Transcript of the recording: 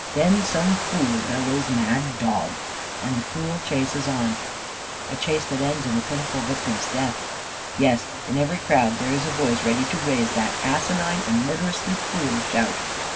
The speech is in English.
Then some fool bellows: "Mad dog!" And the cruel chase is on a chase that ends in the pitiful victim's death. Yes, in every crowd there is a voice ready to raise that asinine and murderously cruel shout.